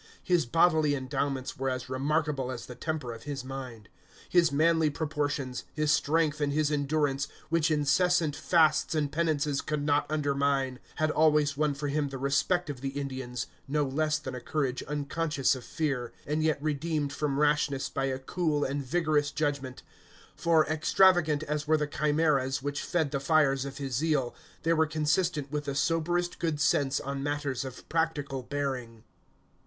His bodily endowments were as remarkable as the temper of his mind. His manly proportions, his strength, and his endurance, which incessant fasts and penances could not undermine, had always won for him the respect of the Indians, no less than a courage unconscious of fear, and yet redeemed from rashness by a cool and vigorous judgment; for, extravagant as were the chimeras which fed the fires of his zeal, they were consistent with the soberest good sense on matters of practical bearing.